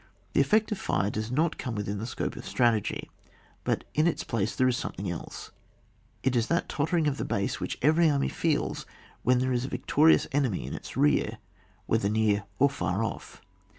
The effect of fire does not come within the scope of strategy; but in its place there is something else. It is that totter ing of the base which every army feels when there is a victorious enemy in it« rear, whether near or far off.